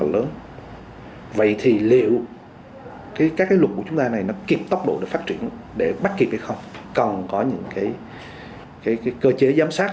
lực của chúng ta này nó kịp tốc độ để phát triển để bắt kịp hay không còn có những cơ chế giám sát